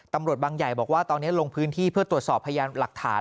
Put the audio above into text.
ตำรวจบางใหญ่บอกว่าตอนนี้ลงพื้นที่เพื่อตรวจสอบพยานหลักฐาน